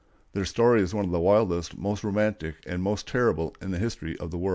Their story is one of the wildest, most romantic, and most terrible in the history of the world.